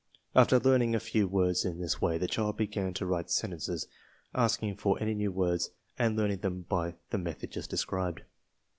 After learning a few words in this way, the child began to write sentences, asking for any new words and learning them by the method just described.